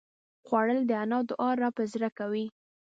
خوړل د انا دعا راپه زړه کوي